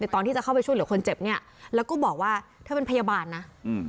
ตอนที่จะเข้าไปช่วยเหลือคนเจ็บเนี่ยแล้วก็บอกว่าเธอเป็นพยาบาลนะ